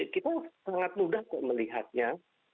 kita sangat mudah melihatnya